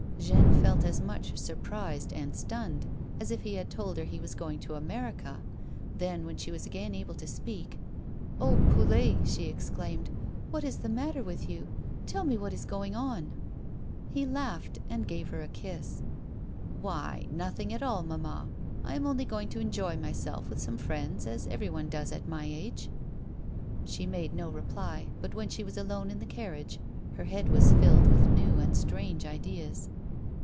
Jeanne felt as much surprised and stunned as if he had told her he was going to America ; then, when she was again able to speak :" Oh, Poulet :" she exclaimed, " what is the matter with you ^ Tell me what is going on ?" He laughed and gave her a kiss. ""Why, nothing at all, mamma. I am ooly going to enjoy myself with some friends, as everyone does at my age." She made no reply, but when she was alone in the carriage, her head was filled with new and strange ideas.